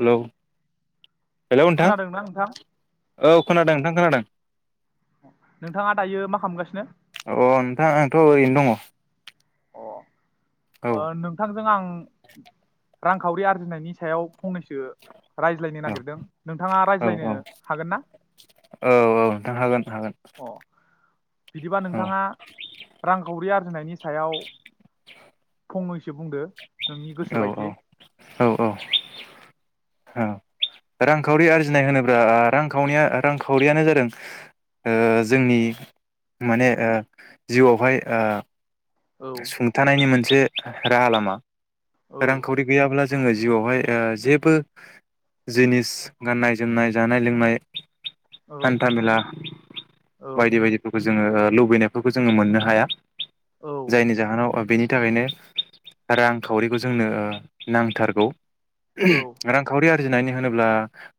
Hello hello नोंथां खोनादोंना नोंथां औ खोनादों नोंथां खोनादों। नोंथाङा दायो मा खालामगासिनो अ नोंथां आंथ' ओरैनो दङ। अ औ ओ नोंथांजों आं रांखावरि आरजिनायनि सायाव फंनैसो रायज्लायनो नागिरदों नोंथां औ औ औ औ नोंथां हागोन हागोन। अ बिदिबा औ नोंथाङा रांखावरि आरजिनायनि सायाव फंङैसो बुंदो। नोंनि गोसो औ औ बायदियै। औ औ औ रांखावरि आरजिनाय होनोब्रा ओ रांखावनिया रांखावरियानो जादों ओ जोंनि माने ओ जिउआवहाय ओ औ सुंथानायनि मोन से राहालामा। औ रांखावरि गैयाब्ला जोङो जिउआवहाय ओ जेबो जिनिस गाननाय जोमनाय जानाय लोंनाय औ हान्थामेला औ बायदि बायदिफोरखौ जोङो ओ लुबैनायफोरखौ जोङो मोननो हाया औ जायनि जाहोनाव ओ बेनि थाखायनो रां खावरिखौ जोंनो ओ नांथारगौ औ रांखावरिया नानै होनोब्ला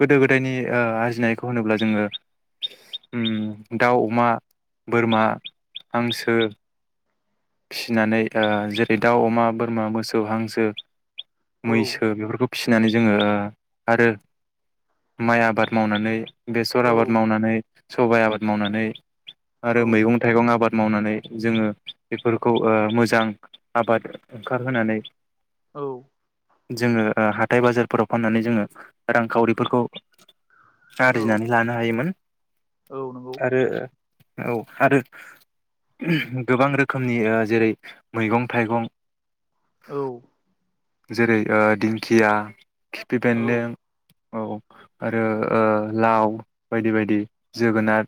गोदो गोदायनि ओ आर्जिनायखौ होनोब्ला जोङो। दाव अमा बोरमा हांसो फिसिनानै ओ जेरै दाव अमा बोरमा मोसौ मोसौ हांसो औ मैसो बेफोरखौ फिसिनानै जोङो, आरो माइ आबाद मावनानै बेसर आबाद मावनानै सबाय आबाद मावनानै औ आरो मैगं थाइगं आबाद मावनानै, जोङो बेफोरखौ मोजां आबाद ओंखारहोनानै औ जोङो हाथाय बाजारफोराव फाननानै जोङो रांखावरिफोरखौ आरजिनानै लानो हायोमोन। औ नंगौ आरो औ आरो गोबां रोखोमनि जेरै मैगं थाइगं औ जेरै दिंखिया खिफि बेन्लें औ आरो लाव बायदि बायदि जोगोनार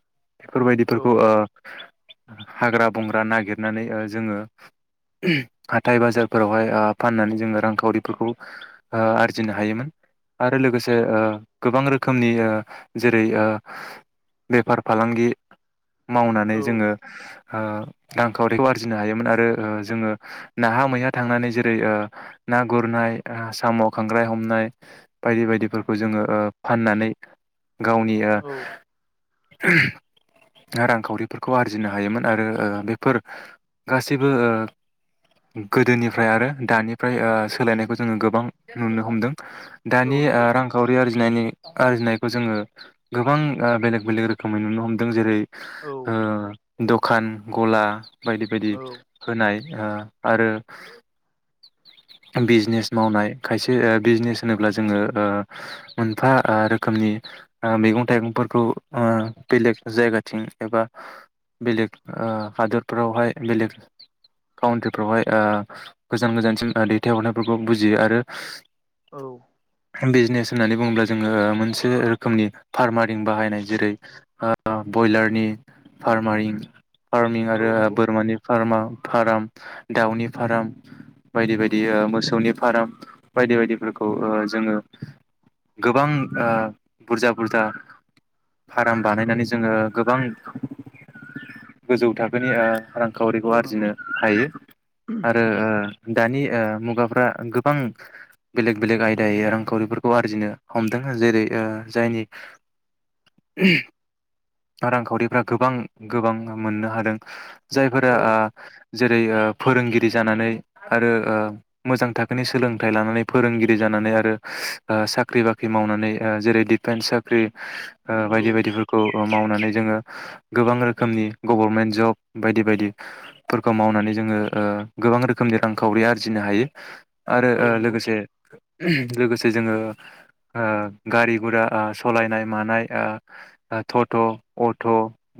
औ बेफोरबायदिफोरखौ हाग्रा बंग्रा नागिरनानै, जोङो हाथाइ बाजार फोरावहाय फाननानै जोङो रांखावरिफोरखौ आरजिनो हायोमोन। आरो लोगोसे औ ओ गोबां रोखोमनि ओ जेरै ओ बेफार फालांगि मावनानै जोङो ओ रांखावरिखौ आरजिनो हायोमोन आरो जोङो नाहा मैया थांनानै जेरै ना गुरनाय साम खांख्राय हमनाय बायदि बायदिफोरखौ जोङो फाननानै गावनि। रांखावरिफोरखौ आरजिनो हायोमोन आरो बेफोर गासैबो गोदोनिफ्राय आरो दानिफ्राय सोलायनायखौ जोङो गोबां नुनो हमदों। औ दानि नंगौ रांखावरि आरजि रिनायनि आरजिनायखौ जोङो गोबां बेलेग बेलेग रोखोमै नुनो हमदों जेरै औ ओ दखान गला बायदि बायदि औ होनाय। आरो बिजनेस मावनाय खायसे बिजनेस होनोब्ला जोङो मोनफा रोखोमनि मैगं थाइगंफोरखौ बेलेग जायगाथिं एबा बेलेग हादरफ्रावहाय बेलेग काउन्ट्रिफ्रावहाय गोजान गोजानसिम थाइ हरनायफोरखौ बुजियो आरो औ बिजनेस होननानै बुङोब्ला जोङो मोनसे रोखोमनि फार्म बाहायनाय जेरै बयलारनि फार्मारिं फार्मिं आरो औ नंगौ बोरमानि फार्मा। फाराम दाउनि फाराम बाय औ दियो मोसौनि फार्म। बायदि बायदिफोरखौ, जोङो गोबां बुरजा बुरजा फार्म बानायनानै जोङो गोबां गोजौ थाखोनि ओ रांखावरिखौ औ नंगौ आरजिनो हायो। आरो दानि मुगाफ्रा गोबां बेलेग बेलेग आयदायै रांखावरिफोरखौ आरजिनो हमदों। जेरै जायनि रांखावरिफ्रा गोबां गोबां मोननो हादों। जायफोरा औ ज जेरै ओ फोरोंगिरि जानानै आरो ओ मोजां थाखोनि सोलोंथाइ लानानै फोरोंगिरि जानानै आरो ओ साख्रि-बाख्रि मावनानै ओ जेरै डिफेन्स साख्रि ओ बायदि औ बायदिफोरखौ मावनानै जोङो गोबां रोखोमनि गभारनमेन्ट जब बायदि बायदिफोरखौ मावनानै जोङो ओ गोबां रोखोमनि रांखावरि आरजिनो हायो। आरो औ ओ नंगौ लोगोसे-लोगोसे जोङो ओ-ओ गारि गुरा आ सालायनाय मानाय आ टट', अट'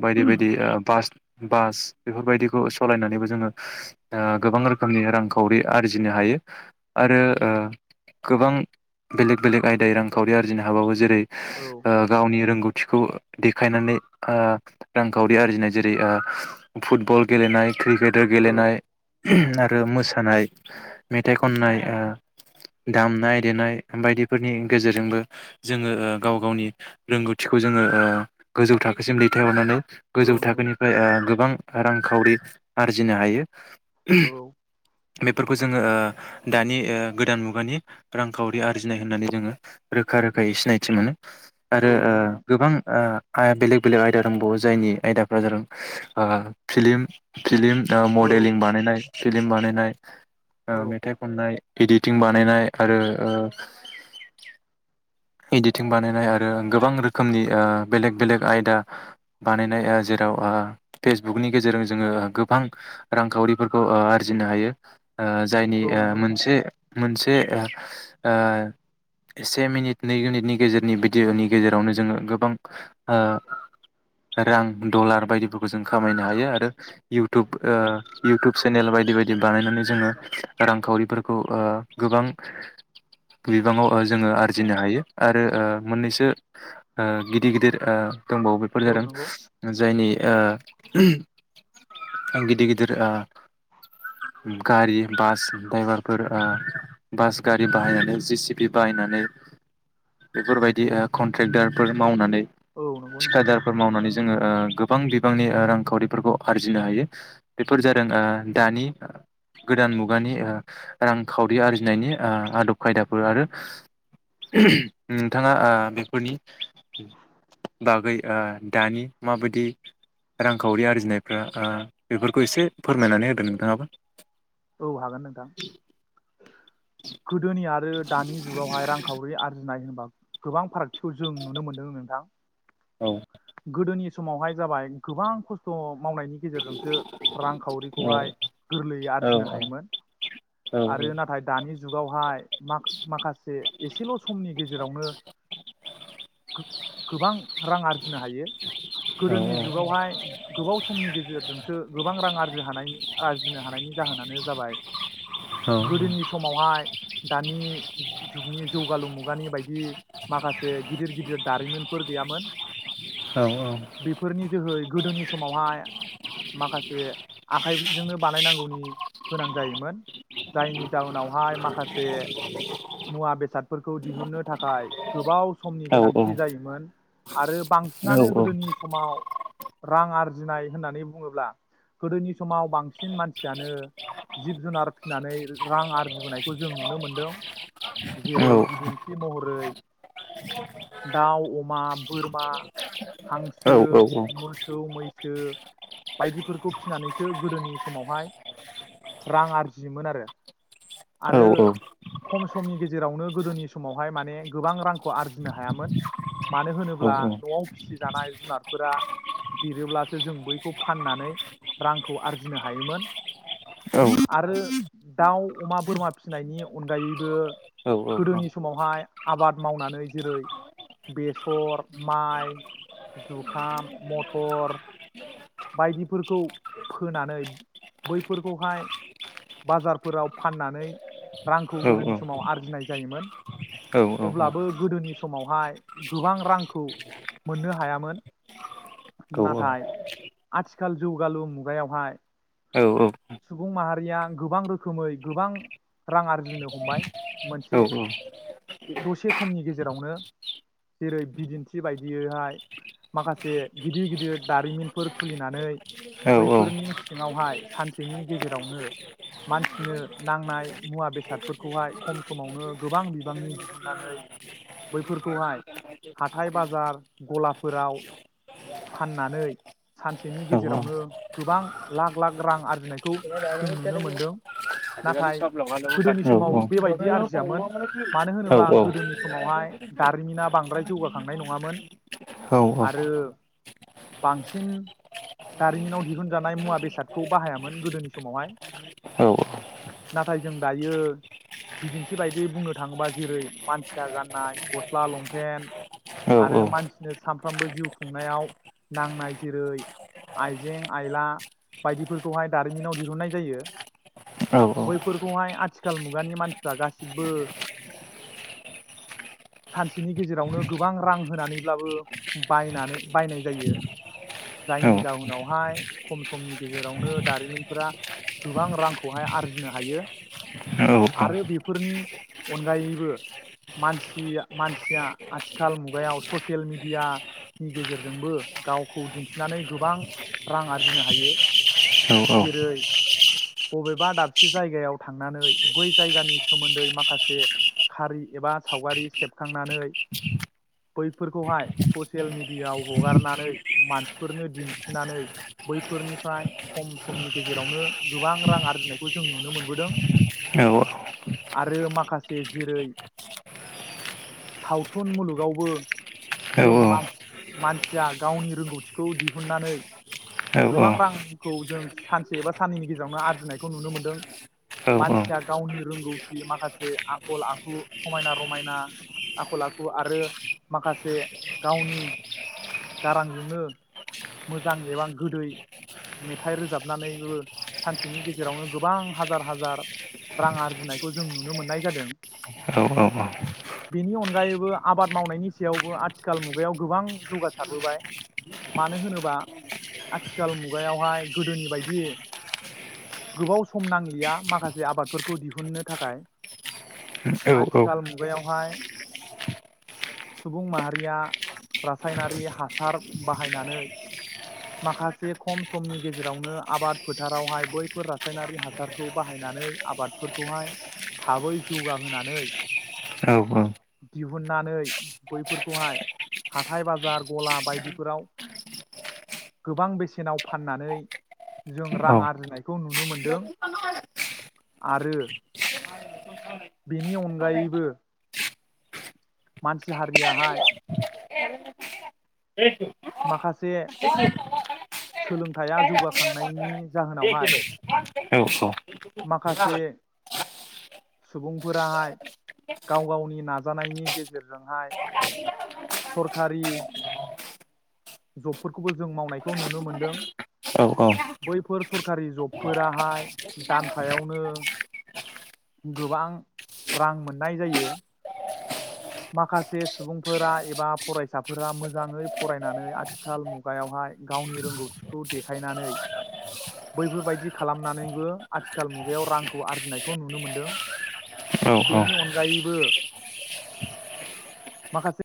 बायदि बायदि ओ बास बास बेफोरबायदिखौ सलायनानैबो जोङो ओ गोबां रोखोमनि रांखावरि आरजिनो हायो आरो ओ गोबां बेलेग-बेलेग आयदाय रांखावरि आरजिनो हाबावो जेरै औ ओ गावनि रोंगौथि थिखौ देखायनानै ओ रांखावरि आरजिनाय जेरै ओ फुटबल गेलेनाय, क्रिकेटआव औ गेलेनाय आ आरो मोसानाय, मेथाइ खननाय ओ, दामनाय-देनाय बायदिफोरनि गेजेरजोंबो जोङो ओ गाव-गावनि रोंगौथिखौ जोङो ओ गोजौ थाखोसिम दैथायहरनानै औ गोजौ नंगौ थाखोनिफ्राय ओ गोबां रां खावरि आरजिनो हायो। औ बेफोर खौ जोङो ओ दानि ओ गोदान मुगानि रांखावरि आरजिनाय होननानै जोङो रोखा-रोखायै सिनायथि मोनो। आरो औ ओ नंगौ नोंथां गोबां ओ बेलेग-बेलेग आयदा दंबावो जायनि आयदाफ्रा जादों ओ फिलिम, फिलिम, औ मडेलिं बानायनाय, फिलिम बानायनाय, औ मेथाइ खननाय, इदिटिं बानायनाय आरो इदिटिं बानायनाय आरो गोबां रोखोमनि‌ ओ बेलेग-बेलेग आयदा बानायनाय ओ जेराव ओ फेसबुकनि गेजेरजों जोङो गोबां रांखावरिफोरखौ ओ आरजिनो हायो। ओ जायनि औ ओ नंगौ नोंथां मोनसे मोनसे ओ से मिनिट नै मिनिटनि गेजेरनि भिडिअ'नि गेजेरावनो जोङो गोबां ओ रां, डलार बायदिफोरखौ जों खामायनो हायो आरो इउटुब ओ इउटुब चेनेल बायदि-बायदि बानायनानै जोङो रांखावरिफोरखौ ओ गोबां गोबाङाव जोङो आरजिनो हायो आरो ओ मोननैसो ओ गिदिर गिदिर ओ दंबावो बेफोर औ जादों नंगौ जायनि ओ गिदिर-गिदिर आ गारि, बास द्राइभारफोर ओ बास गारि बाहायनानै जि सि पि बाहायनानै बेफोरबायदि कन्ट्रेक्टारफोर मावउनानै औ नंगौ नोंथां थिखादारफोर मावनानै जोङो ओ गोबां बिबांनि ओ रांखावरिफोरखौ आरजिनो हायो बेफोर जादों ओ दानि गोदान मुगानि ओ रांखावरि आरजिनायनि ओ आदब खायदाफोर आरो [unintelligible] नोंथाङा ओ बेफोरनि बागै ओ दानि माबायदि रांखावरि आरजिनायफ्रा ओ बेफोरखौ एसे फोरमायनानै होदो नोंथाङाबो औ हागोन नोंथां गोदोनि आरो दानि जुगावहाय रांखावरि आरजिनाय गोबां फारागथिखौ जों नुनो मोनदों नोंथां औ गोदोनि समावहाय जाबाय गोबां खस्थ' मावनायनि गेजेरजोंसो रांखावरिखौहाय गोरलैयै आरजिनो हायोमोन आरो नाथाय दानि जुगावहाय माख-माखासे एसेल' समनि गेजेरावनो गो-गोबां रां आर जिनो हायो गोदोनि जुगावहाय गोबाव समनि गेजेरजोंसो गोबां रां आरजि हानायनि आरजिनो हानायनि जाहोनानो जाबाय औ ओम गोदोनि समावहाय दानि जुगनि जौगालु मुगानि बायदि माखासे गिदिर गिदिर दारिमिनफोर गैयामोन औ औ बेफोरनि जोहै गोदोनि समावहाय माखासे आखाइजोंनो बानायनांगौनि गोनां जायोमोन जायनि जाउनावहाय माखासे मुवा बेसादफोरखौ दिहुननो थाखाय गोबाव समनि गोनांथि जायोमोन आरो बांसिनानो गोदोनि समाव रां आरजिनाय होननानै बुङोब्ला गोदोनि समाव बां सिन मानसियानो जिब जुनार फिनानै रां आरजिबोनायखौ जों नुनो मोनदों जेरै- बिदिन्थि महरै दाउ, अमा, बोरमा हांसो, मोसौ, मै सो बायदिफोरखौ फिनानैसो गोदोनि समावहाय रां आरजियोमोन आरो आरो खम समनि गेजेरावनो गोदोनि समावहाय माने गोबां रां खौ आरजिनो हायामोन मानो होनोब्ला न'आव फिसिजानाय जुनातफोरा देरोब्लासो जों बैखौ फाननानै रांखौ आरजिनो हायोमोन। आरो दाउ, अमा, बोरमा फिसिनायनि अनगायैबो गोदोनि समावहाय आबाद मावनानै जेरै- बेसर, माइ जुखाम, मथर बायदिफोरखौ फोनानै बैफोरखौहाय बाजारफोराव फाननानै रांखौ गोदोनि समाव आरजिनाय जायोमोन। औ औ औ। अब्लाबो गोदोनि समावहाय गोबां रांखौ मोननो हायामोन नाथाय आथिखाल जौगालु मुगायावहाय सुबुं माहारिया गोबां रोखोमै गोबां रां आरजिनो हमबाय मोनसे दसे समनि गेजेरावनो जेरै बिदिन्थि बायदियैहाय माखासे गिदिर गिदिर दारिमिन। फोर खुलिनानै बैफोरनि सिङावहाय सानसेनि गेजेरावनो मानसिनो नांनाय मुवा बेसादफोरखौहाय खम समावनो गोबां बिबांनि दिहुननानै बैफोरखौहाय हाथाय बाजार गलाफोराव फाननानै सानसेनि गेजेरावनो गोबां लाख लाख रां आरजिनायखौ जों नुनो मोनदों। नाथाय [unintelligible] गोदोनि समाव बेबायदि औ आरजियामोन मानो औ होनोबा गोदोनि समावहाय औ दारिमिना बांद्राय औ जौगाखांनाय नङामोन औ औ। बांस सिन दारिमिनाव दिहुन जानाय मुवा बेसादखौ बाहायामोन गोदोनि समावहाय नाथाय जों दायो बिदिन्थि बायदि बुंनो थाङोबा जेरै मानसिया गाननाय गस्ला लंपेन्ट आरो मानसिनो सानफ्रामबो जिउ खुंनायाव नांनाय जेरै आइजें आइला बायदिफोरखौहाय दारिमिनाव दिहुननाय जायो बैफोरखौहाय आथिखाल मुगानि मानसिफ्रा गासिबो सानसेनि गेजेरावनो गोबां रां होनानैब्लाबो बायनानै बायनाय जायो। जायनि जाहोनावहाय खम समनि गेजेरावनो दारिमिनफोरा गोबां रांखौहाय आरजिनो हायो आरो बेफोरनि अनगायैबो मानसिया मानसिया आथिखाल मुगायाव ससियेल मिडियानि गेजेरजोंबो गावखौ दिन्थि थिनानै गोबां रां आरजिनो हायो। जेरै बबेबा दाबसे जायगायाव थांनानै बै जायगानि सोमोन्दै माखासे खारि एबा सावगारि सेबखांनानै बैफोरखौहाय ससियेल मेडियाआव हगारनानै मानसिफोरनो दिन्थिनानै बैफोरनिफ्राय खम समनि गेजेरावनो गोबां रां आरजिनायखौ जों नुनो मोनबोदों लग आरो माखासे जेरै सावथुन मुलुगावबो औ जों मानस मानसिया गावनि रोंगौथिखौ दिहुननानै गोबां रां खौ जों सानसे एबा साननैनि गेजेरावनो आरजिनायखौ नुनो मोनदों औ मानसिया गावनि रोंगौथि माखासे आखल आखु समायना रमायना आखल आखु आरो माखासे गावनि गारांजोंनो मोजां एबा गोदै मेथाइ रोजाबनानैबो सानसेनि गेजेरावनो गोबां हाजार हाजार रां आरजिनायखौ जों नुनो मोननाय जादों बेनि अनगायैबो आबाद मावनायनि सायावबो आथिखाल मुगायाव गोबां जौगासारबोबाय मानो होनोबा आथिखाल मुग मुगायावहाय गोदोनि बायदि गोबाव सम नांलिया माखासे आबादफोरखौ दिहुननो थाखाय आथिखाल मुगायाव हाय सुबुं माहारिया रासायनारि हासार बाहायनानै माखासे खम समनि गेजेरावनो आबाद फोथारावहाय बैफोर रासायनारि हासारखौ बाहायनानै आबादफोरखौहाय थाबै जौगाहोनानै दिहुननानै बैफोरखौहाय हाथाय बाजार गला बायदिफोराव गोबां बेसेनाव फाननानै जों रां आरजिनायखौ नुनो मोनदों आरो बेनि अनगायैबो मानसि हारियाहाय माखासे सोलोंथाइया जौगाखांनायनि जाहोनावहाय औ औ। माखासे सुबुंफोराहाय गाव गावनि नाजानायनि गेजेरजोंहाय सरखारि जबफोरखौबो जों मावनायखौ नुनो मोनदों औ बैफोर सरखारि जबफोराहाय दानफायावनो गोबां रां मोननाय जायो। माखासे सुबुंफोरा एबा फरायसाफोरा मोजाङै फरायनानै आथिखाल मुगायावहाय गावनि रोंगौथिखौ देखायनानै बैफोरबायदि खालामनानैबो आथिखाल मुगायाव रांखौ आरजिनायखौ नुनो मोनदों औ औ बेनि अनगायैबो माखासे